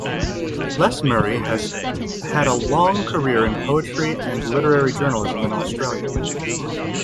Les Murray has had a long career in poetry and literary journalism in Australia.